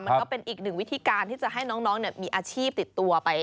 ก็เป็นอีกหนึ่งวิธีการที่จะให้น้องมีอาชีพติดตัวไป